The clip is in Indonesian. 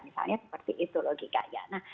misalnya seperti itu logikanya